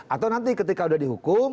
atau nanti ketika sudah dihukum